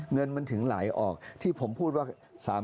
เงินมันถึงไหลออกที่ผมพูดว่า